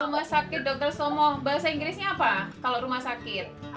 rumah sakit dr somo bahasa inggrisnya apa kalau rumah sakit